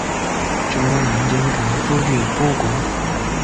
贞观年间改朱俱波国。